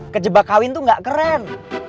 kejebak kawin itu gak keren